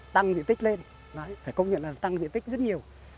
tăng địa tích lên phải công nhận là tăng địa tích rất nhiều